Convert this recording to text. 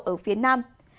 ở phía nam